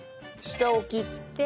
下を切って。